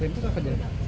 penkurs apa dia